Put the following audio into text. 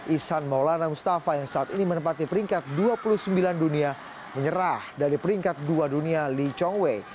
ihsan maulana mustafa yang saat ini menempati peringkat dua puluh sembilan dunia menyerah dari peringkat dua dunia lee chong wei